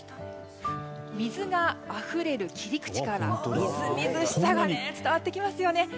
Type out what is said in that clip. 水があふれる切り口からみずみずしさが伝わってきますよね。